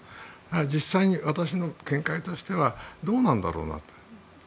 実際に私の見解としてはどうなんだろうなと。